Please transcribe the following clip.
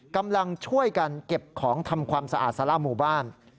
กำลังช่วยกันเก็บของทำความสะอาดสาระหมู่บ้าน